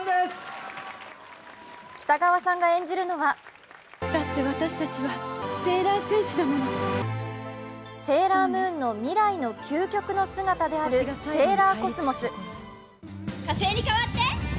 北川さんが演じるのはセーラームーンの未来の究極の姿であるセーラーコスモス。